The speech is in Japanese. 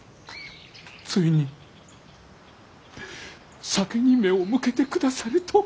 ついに酒に目を向けてくださるとは！